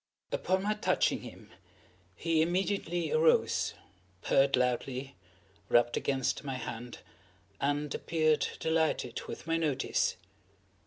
Upon my touching him, he immediately arose, purred loudly, rubbed against my hand, and appeared delighted with my notice.